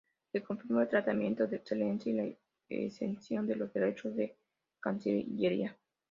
Le confirmó el tratamiento de Excelencia y la exención de los derechos de cancillería.